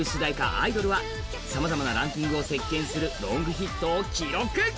「アイドル」はさまざまなランキングを席巻するロングヒットを記録。